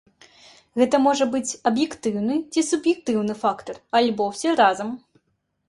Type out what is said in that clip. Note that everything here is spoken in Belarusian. Гэта можа быць аб'ектыўны ці суб'ектыўны фактар альбо ўсё разам.